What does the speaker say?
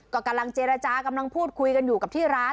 ก็กำลังเจรจากำลังพูดคุยกันอยู่กับที่ร้าน